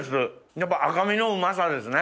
やっぱ赤身のうまさですね